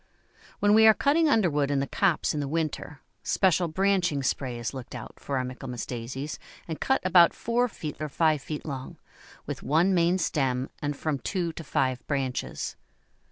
When we are cutting underwood in the copse in the winter, special branching spray is looked out for our Michaelmas Daisies and cut about four feet or five feet long, with one main stem and from two to five branches.